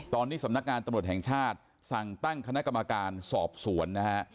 ตอนนี้สำนักงานตำรวจแห่งชาติสั่งตั้งคณะกรรมการสอบสวนนะฮะ